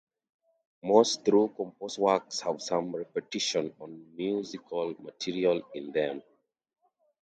Most through-composed works have some repetition of musical material in them.